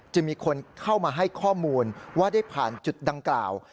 จึงมีคนเข้ามาให้ข้อมูลว่าได้ผ่านจุดดังกล่าว